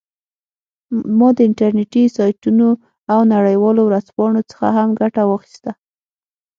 ما د انټرنیټي سایټونو او نړیوالو ورځپاڼو څخه هم ګټه واخیسته